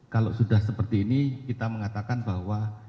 kalau sudah seperti ini kita mengatakan bahwa